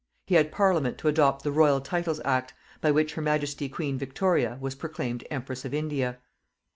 He had Parliament to adopt the Royal Titles Act, by which Her Majesty Queen Victoria was proclaimed EMPRESS OF INDIA.